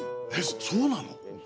えそうなの？